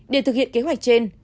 để thực hiện kế hoạch trên